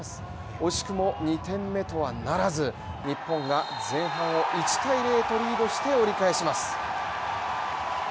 惜しくも２点目とはならず、日本が前半を１−０とリードして折り返します。